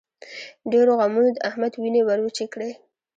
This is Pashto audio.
ډېرو غمونو د احمد وينې ور وچې کړې.